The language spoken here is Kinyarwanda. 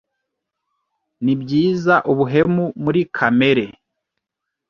Nibyiza ubuhemu muri kamere